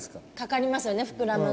かかりますよね膨らむ。